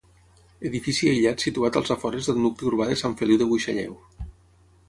Edifici aïllat situat als afores del nucli urbà de Sant Feliu de Buixalleu.